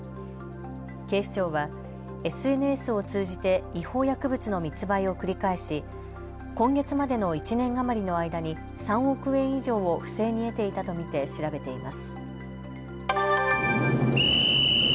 警視庁はＳＮＳを通じて違法薬物の密売を繰り返し今月までの１年余りの間に３億円以上を不正に得ていたと見て調べています。